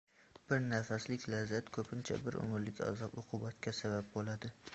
Bir nafaslik lazzat ko‘pincha bir umrlik azob-uqubatga sabab bo‘ladi.